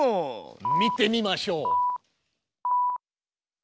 見てみましょう！